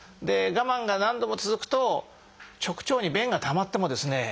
我慢が何度も続くと直腸に便がたまってもですね